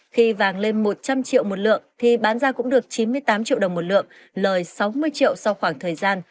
khi vàng lên một trăm linh triệu một lượng thì bán ra cũng được chín mươi tám triệu đồng một lượng lời sáu mươi triệu sau khoảng thời gian